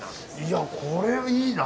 これいいな。